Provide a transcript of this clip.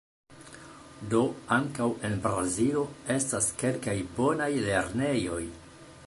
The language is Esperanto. Do ankaŭ en Brazilo estas kelkaj bonaj lernejoj.